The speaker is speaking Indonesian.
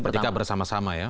jika bersama sama ya